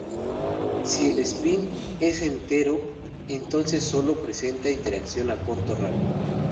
Si el espín es entero, entonces solo se presenta interacción a corto rango.